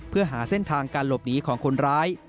เพื่อหาเส้นทางการหลบหนีของคนร้าย